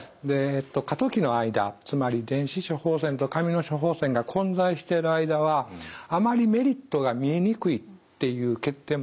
過渡期の間つまり電子処方箋と紙の処方箋が混在している間はあまりメリットが見えにくいという欠点もあるんですね。